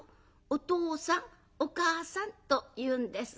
『お父さんお母さん』と言うんです。